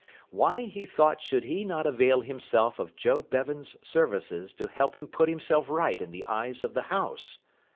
Why, he thought, should he not avail himself of Joe Bevan's services to help him put himself right in the eyes of the house?